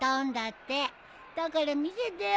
だから見せてよ。